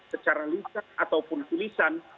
secara lisan ataupun tulisan